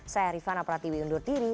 saya rifana pratiwi undur diri